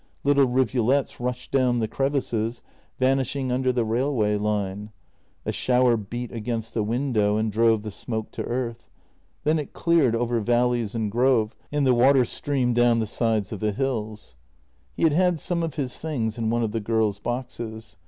Little rivulets rushed down the crevices, vanishing under the railway line. A shower beat against the window and drove the smoke to earth. Then it cleared over valleys and grove, and the water streamed down the sides of the hills. He had had some of his things in one of the girls' boxes.